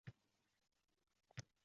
Tushlarimga kirar bir bahorng